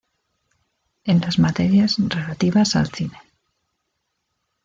En las materias relativas al cine.